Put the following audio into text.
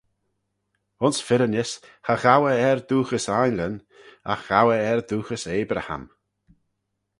Ayns firrinys cha ghow eh er dooghys ainlyn; agh ghow eh er dooghys Abraham.